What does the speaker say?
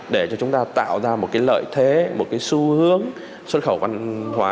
để cho chúng ta tạo ra một cái lợi thế một cái xu hướng xuất khẩu văn hóa